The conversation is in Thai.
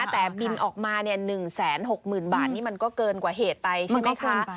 แต่บินออกมา๑๖๐๐๐บาทนี่มันก็เกินกว่าเหตุไปใช่ไหมคะ